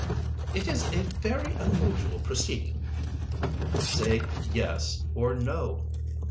"It is a very unusual proceeding." "Say yes or no."